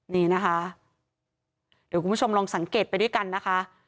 นี่นะคะเดี๋ยวคุณผู้ชมลองสังเกตไปด้วยกันนะคะ